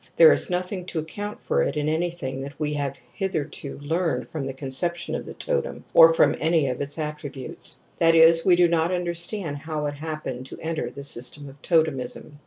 There is nothing to account for it in anything that we have hitherto learned from the conception of the totem or from any of its attributes ; that is, we do not understand how it happened to enter the system of totemism.